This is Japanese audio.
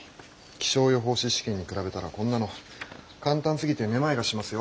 気象予報士試験に比べたらこんなの簡単すぎてめまいがしますよ。